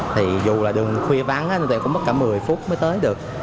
thì dù là đường khuya vắng thì cũng mất cả một mươi phút mới tới được